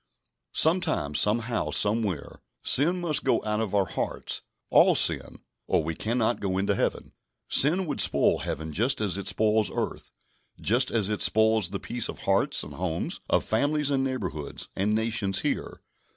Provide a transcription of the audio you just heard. Sometime, somehow, somewhere, sin must go out of our hearts all sin or we cannot go into Heaven. Sin would spoil Heaven just as it spoils earth; just as it spoils the peace of hearts and homes, of families and neighbourhoods and nations here.